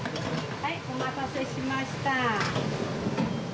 はい、お待たせしました。